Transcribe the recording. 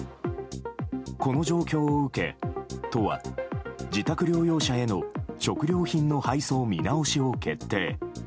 この状況を受け都は自宅療養者への食料品配送の見直しを決定。